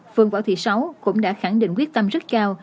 phương võ thị sáu cũng đã khẳng định quyết tâm rất cao